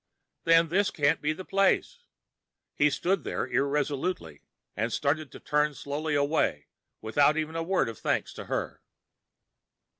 "Then this can't be the place." He stood there irresolutely and started to turn slowly away without even a word of thanks to her.